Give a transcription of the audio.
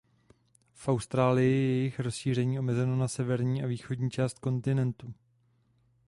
V Austrálii je jejich rozšíření omezeno na severní a východní část kontinentu.